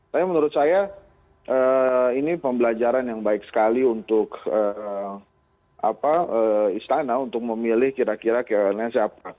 tapi menurut saya ini pembelajaran yang baik sekali untuk istana untuk memilih kira kira siapa